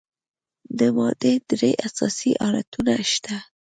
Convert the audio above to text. د مادې درې اساسي حالتونه شته.